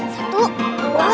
satu dua tiga